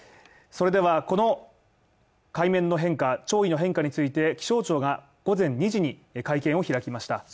それではこの海面の変化、潮位の変化について気象庁が午前２時に会見を開きました。